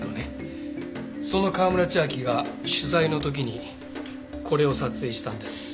その川村千秋が取材の時にこれを撮影したんです。